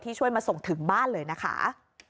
ช่วยมาส่งถึงบ้านเลยนะคะ